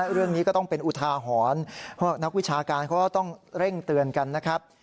เรื่องนี้ก็ต้องเป็นอุทาหรณ์เพราะนักวิชาการเขาก็ต้องเร่งเตือนกันนะครับ